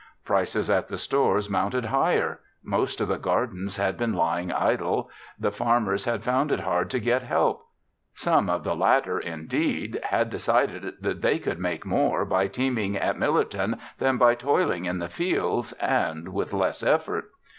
Prices at the stores mounted higher. Most of the gardens had been lying idle. The farmers had found it hard to get help. Some of the latter, indeed, had decided that they could make more by teaming at Millerton than by toiling in the fields, and with less effort.